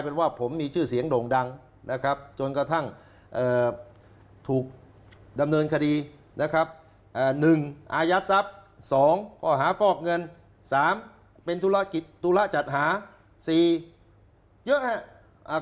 เป็นธุรกิจธุระจัดหา๔เยอะอ่ะ